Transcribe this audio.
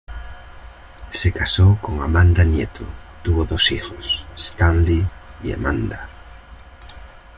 Se casó con Amanda Nieto, tuvo dos hijos, Stanley y Amanda.